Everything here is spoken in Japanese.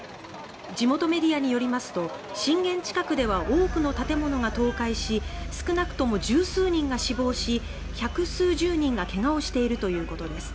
地元メディアによりますと震源近くでは多くの建物が倒壊し少なくとも１０数人が死亡し１００数十人が怪我をしているということです。